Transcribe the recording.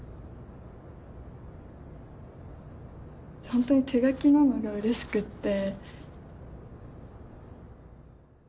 本当に手書きなのがうれしくって。